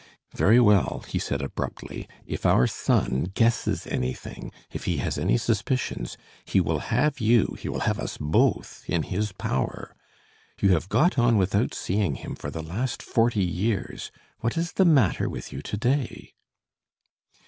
"Very well," he said abruptly, "if our son guesses anything, if he has any suspicions, he will have you, he will have us both in his power. You have got on without seeing him for the last forty years. What is the matter with you to day?"